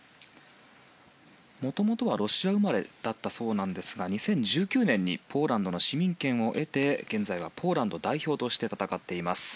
もともとはロシア生まれだったそうですが２０１９年にポーランドの市民権を得て代表として戦っています。